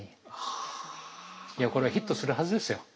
いやこれはヒットするはずですよ。